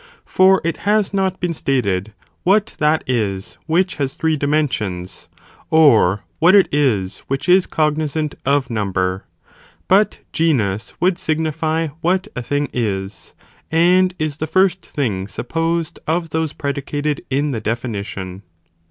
For it has not been stated what that is which has three di mensions, or what it is which is cognizant of number; but genus would signify what a thing is, and is the first thing supposed, of those predicated in the definition.